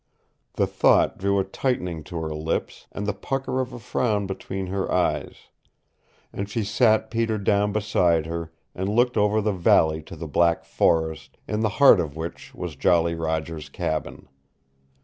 The thought drew a tightening to her lips, and the pucker of a frown between her eyes, and she sat Peter down beside her and looked over the valley to the black forest, in the heart of which was Jolly Roger's cabin.